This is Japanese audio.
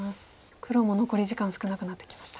黒も残り時間少なくなってきました。